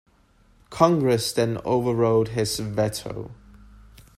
Congress then overrode his veto.